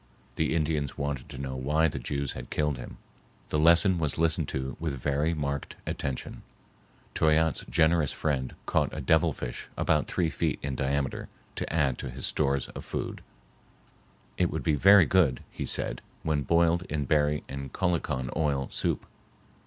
The Indians wanted to know why the Jews had killed him. The lesson was listened to with very marked attention. Toyatte's generous friend caught a devil fish about three feet in diameter to add to his stores of food. It would be very good, he said, when boiled in berry and colicon oil soup.